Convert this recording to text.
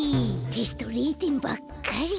テスト０てんばっかり。